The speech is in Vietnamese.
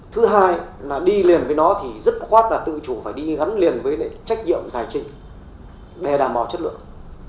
thứ hai là đi liền với nó thì dứt khoát là tự chủ phải đi gắn liền với trách nhiệm giải trình để đảm bảo chất lượng